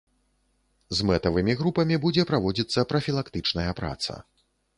З мэтавымі групамі будзе праводзіцца прафілактычная праца.